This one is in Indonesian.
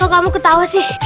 kok kamu ketawa sih